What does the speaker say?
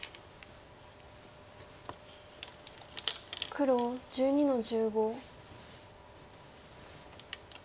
黒１２の十五。